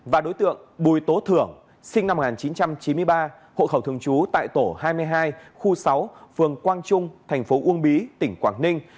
và đối tượng bùi tố thưởng sinh năm một nghìn chín trăm chín mươi ba hộ khẩu thường trú tại tổ hai mươi hai khu sáu phường quang trung thành phố uông bí tỉnh quảng ninh